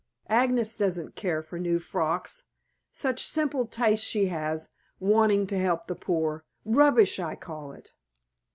"Agnes doesn't care for new frocks. Such simple tastes she has, wanting to help the poor. Rubbish, I call it."